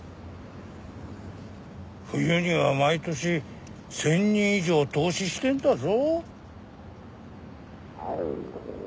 冬には毎年１０００人以上凍死してんだぞ。